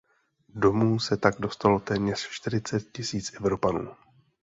Domů se tak dostalo téměř čtyřicet tisíc Evropanů.